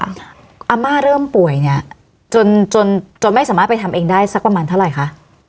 อาม่าเริ่มป่วยเนี่ยจนจนไม่สามารถไปทำเองได้สักประมาณเท่าไหร่คะ